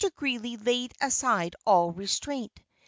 Greeley laid aside all restraint.